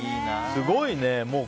すごいね。